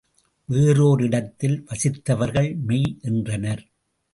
வேறோரிடத்தில் வசித்தவர்கள் மெய் என்றனர்.